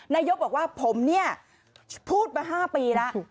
นายกบอกว่าผมเนี่ยพูดมา๕ปีแล้ว